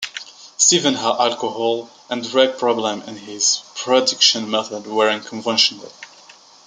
Stevens had alcohol and drug problems and his production methods were unconventional.